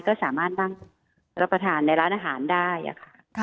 ก็สามารถนั่งรับประทานในร้านอาหารได้ค่ะ